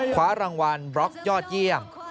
คว้ารางวัลบล็อกยอดเยี่ยม